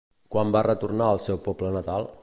Quan va retornar al seu poble natal?